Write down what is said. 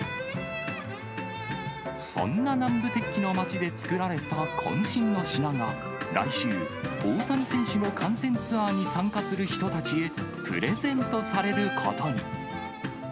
そんな南部鉄器の町で作られたこん身の品が来週、大谷選手の観戦ツアーに参加する人たちへプレゼントされることに。